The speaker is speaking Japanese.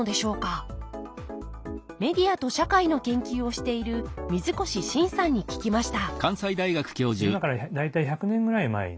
メディアと社会の研究をしている水越伸さんに聞きました